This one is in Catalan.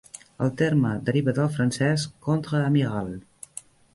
El terme deriva del francès "contre-amiral".